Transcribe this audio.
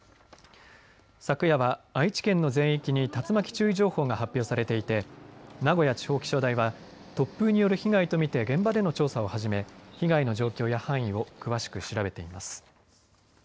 昨夜は愛知県の全域に竜巻注意情報が発表されていて名古屋地方気象台は突風による被害と見て現場での調査を始め被害の状況や範囲を詳しく調べています。